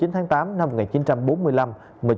một mươi chín tháng tám năm một nghìn chín trăm bốn mươi năm